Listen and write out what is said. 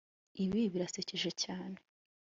Ibi birasekeje cyane